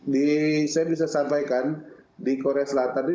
di saya bisa sampaikan di korea selatan ini